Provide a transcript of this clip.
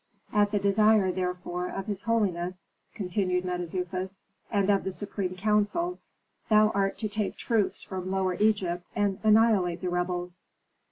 "At the desire, therefore, of his holiness," continued Mentezufis, "and of the supreme council, thou art to take troops from Lower Egypt and annihilate the rebels."